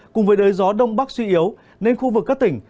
cùng với đới gió đông bắc suy yếu nên khu vực các tỉnh